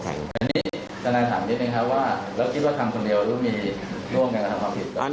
ธนายถามนิดหนึ่งครับว่าแล้วคิดว่าทำคนเดียวหรือมีร่วมกันหรือทำความผิด